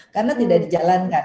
karena tidak dijalankan